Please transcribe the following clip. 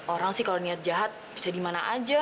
orang sih kalau niat jahat bisa di mana aja